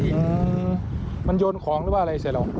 อืมมันโยนของหรือว่าอะไรใช่หรือเปล่า